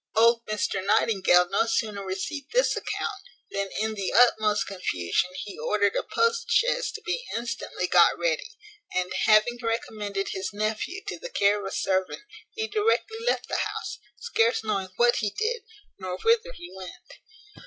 Old Mr Nightingale no sooner received this account, than in the utmost confusion he ordered a post chaise to be instantly got ready, and, having recommended his nephew to the care of a servant, he directly left the house, scarce knowing what he did, nor whither he went.